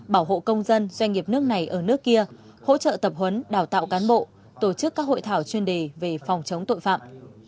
bảo hộ công dân doanh nghiệp nước này ở nước kia hỗ trợ tập huấn đào tạo cán bộ tổ chức các hội thảo chuyên đề về phòng chống tội phạm